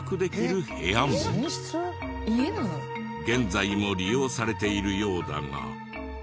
現在も利用されているようだが。